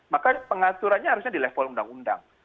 maka pengaturannya harusnya di level undang undang